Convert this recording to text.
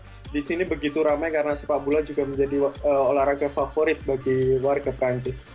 ya saya rasa disini begitu ramai karena sepak bola juga menjadi olahraga favorit bagi warga perancis